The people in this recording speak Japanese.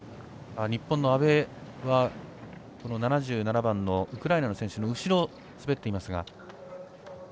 日本の阿部は、７７番のウクライナの選手の後ろを滑っていますが。